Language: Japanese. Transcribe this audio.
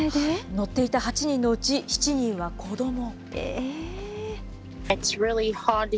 乗っていた８人のうち、７人は子ども。